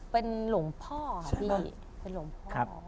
เป็นหลวงพ่อพี่